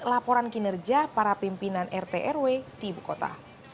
laporan kinerja para pimpinan rt rw di ibu kota